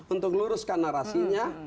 untuk luruskan narasinya